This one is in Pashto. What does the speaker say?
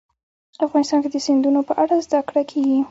افغانستان کې د سیندونه په اړه زده کړه کېږي.